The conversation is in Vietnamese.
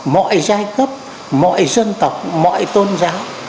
mọi giai cấp mọi dân tộc mọi tôn giáo